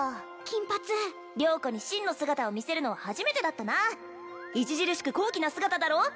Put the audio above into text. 金髪良子に真の姿を見せるのは初めてだったな著しく高貴な姿だろう？